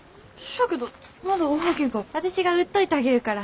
私が売っといたげるから。